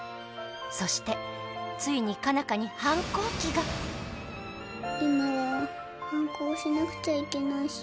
そしてついに佳奈花に反抗期が今は反抗しなくちゃいけないし。